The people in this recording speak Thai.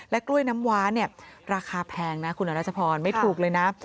กล้วยน้ำว้าเนี่ยราคาแพงนะคุณรัชพรไม่ถูกเลยนะ